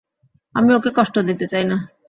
আমি ওকে কষ্ট দিতে চাই না।